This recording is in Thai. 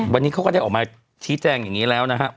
วันนี้เขาก็ได้ออกมาชี้แจงอย่างนี้แล้วนะครับ